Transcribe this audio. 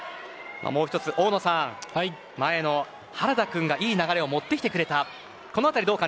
大野さん、前の原田君がいい流れを持ってきてくれた。